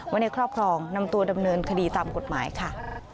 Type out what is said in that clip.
ในครอบครองนำตัวดำเนินคดีตามกฎหมายค่ะ